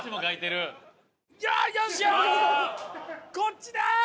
こっちだ！